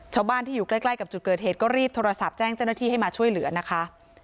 ชาวบ้านที่อยู่ใกล้กับจุดเกิดเหตุก็รีบโทรศัพท์แจ้งเจ้าหน้าที่ให้มาช่วยเหลือนะคะ